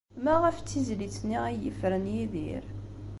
Maɣef d tizlit-nni ay yefren Yidir?